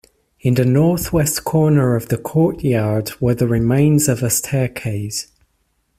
In the north-west corner of the courtyard were the remains of a staircase.